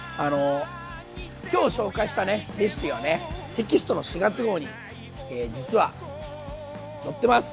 今日紹介したレシピはテキストの４月号に実は載ってます！